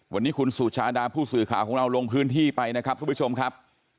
วันนี้คุณสุชาดาผู้สื่อข่าวของเราลงพื้นที่ไปนะครับทุกผู้ชมครับ